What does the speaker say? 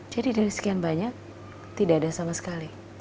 jadi dari sekian banyak tidak ada sama sekali